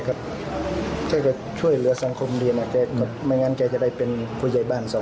มีเซ็นไซด์อะไรอย่างนี้ครับ